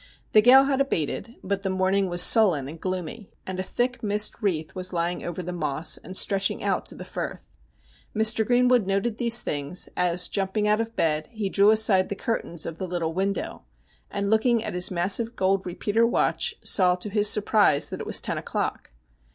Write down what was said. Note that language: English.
The gale had abated, but the morning was sullen and gloomy, and a thick mist wreath was lying over the Moss, and stretching out to the Firth. Mr. Greenwood noted these things, as jumping out of bed he drew aside the curtains of the little window, and looking at his massive gold repeater watch saw, to his surprise, that it was ten o'clock.